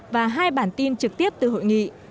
và hai bản tin trực tiếp từ hội nghị